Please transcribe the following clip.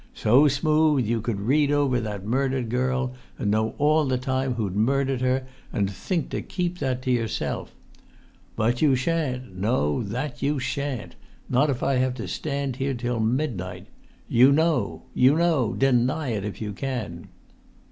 So smooth you could read over that murdered girl, and know all the time who'd murdered her, and think to keep that[Pg 22] to yourself! But you sha'n't; no, that you sha'n't; not if I have to stand here till midnight. You know! You know! Deny it if you can!"